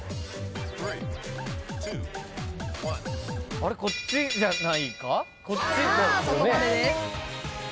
あれこっちじゃないか？